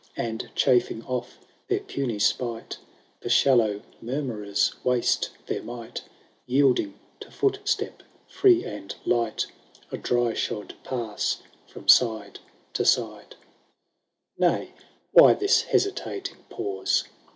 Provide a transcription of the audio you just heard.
And chafing off their puny spite. The shallow murmurers waste their might, Yielding to footstep free and light A dry shod pass from side to side. 12 THE BRIDAL OF TRIEKUAW, 1 II. Nay, why this hesitating pause